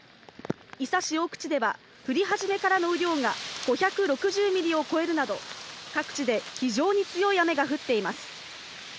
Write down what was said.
伊佐市大口では降り始めからの雨量が５６０ミリを超えるなど、各地で非常に強い雨が降っています。